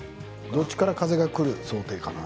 どっちから風が来る想定かな。